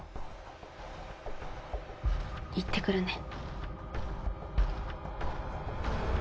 行ってくるね。